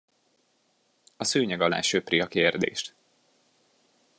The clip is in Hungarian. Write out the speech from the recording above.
A szőnyeg alá söpri a kérdést.